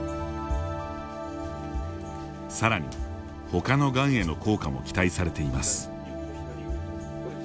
さらに、ほかのがんへの効果も期待されています。